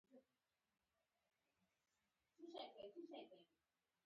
صدک پر منډک مشر و.